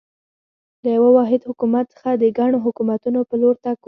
له یوه واحد حکومت څخه د ګڼو حکومتونو په لور تګ و.